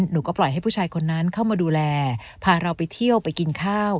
หนูก็ปล่อยให้ผู้ชายคนนั้นเข้ามาดูแลพาเราไปเที่ยวไปกินข้าว